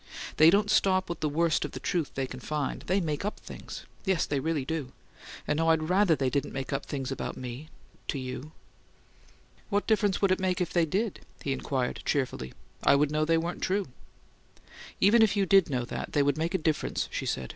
They don't stop with the worst of the truth they can find: they make UP things yes, they really do! And, oh, I'd RATHER they didn't make up things about me to you!" "What difference would it make if they did?" he inquired, cheerfully. "I'd know they weren't true." "Even if you did know that, they'd make a difference," she said.